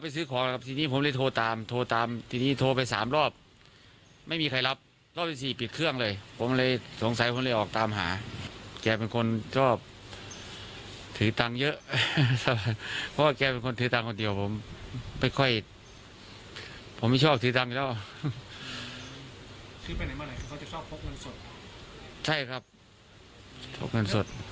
ใช่ครับพกเงินสด